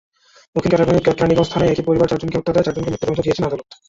দক্ষিণ কেরানীগঞ্জ থানায় একই পরিবারের চারজনকে হত্যার দায়ে চারজনকে মৃত্যুদণ্ড দিয়েছেন আদালত।